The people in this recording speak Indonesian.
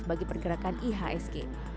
untuk pergerakan ihsg